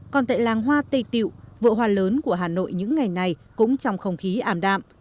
còn tại làng hoa tây tiệu vựa hoa lớn của hà nội những ngày này cũng trong không khí ảm đạm